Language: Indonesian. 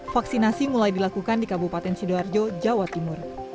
vaksinasi mulai dilakukan di kabupaten sidoarjo jawa timur